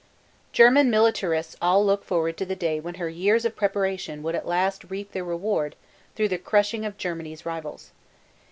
German militarists all looked forward to the day when her years of preparation would at last reap their reward through the crushing of Germany's rivals.